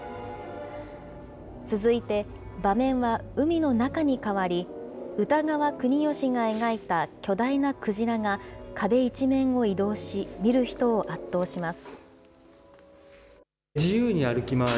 続いて、場面は海の中に変わり、歌川国芳が描いた巨大な鯨が壁一面を移動し、見る人を圧倒します。